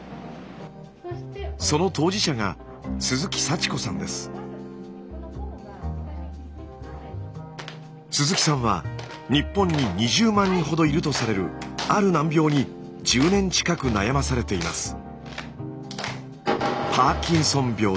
その当事者が鈴木さんは日本に２０万人ほどいるとされるある難病に１０年近く悩まされています。